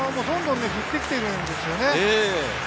どんどん振って来ているんですよね。